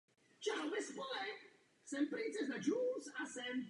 Po návratu z koncentračního tábora působil jako středoškolský profesor.